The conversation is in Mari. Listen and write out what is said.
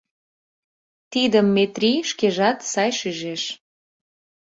Тидым Метрий шкежат сай шижеш.